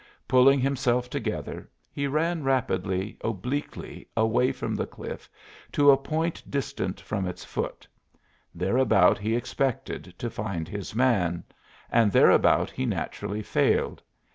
Pulling himself together he ran rapidly obliquely away from the cliff to a point distant from its foot; thereabout he expected to find his man; and thereabout he naturally failed.